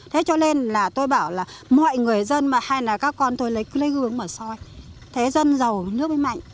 thế cho nên là tôi bảo là mọi người dân hay là các con thôi lấy gương mở soi thế dân giàu nước mới mạnh